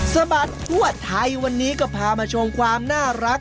สะบัดทั่วไทยวันนี้ก็พามาชมความน่ารัก